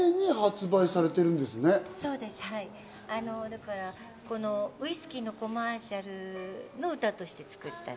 だからウイスキーのコマーシャルの歌として作った。